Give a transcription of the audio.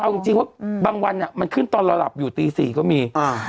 เอาจริงว่าบางวันมันขึ้นตอนเราหลับอยู่ตี๔ก็มี